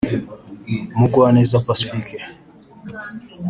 Mugwaneza Pacifique